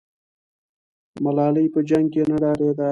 ملالۍ په جنګ کې نه ډارېده.